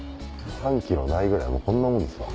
３ｋｇないぐらいもうこんなもんですわ。